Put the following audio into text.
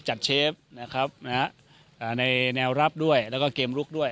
เชฟนะครับในแนวรับด้วยแล้วก็เกมลุกด้วย